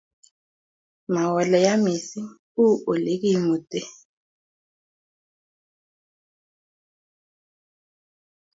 Ma ole yaa mising, uu olegimute